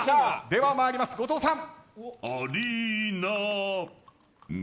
ではまいります後藤さん。